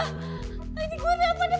ini gue pake apa dong